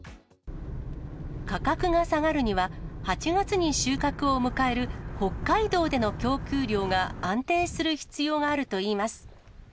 価格が下がるには、８月に収穫を迎える北海道での供給量が、安定する必要があるといいます。